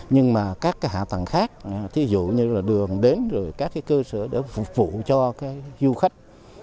nhưng các hạ tầng khác thí dụ như đường đến các cơ sở để phục vụ cho du khách